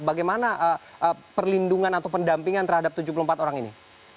bagaimana perlindungan atau pendampingan terhadap tujuh puluh empat orang ini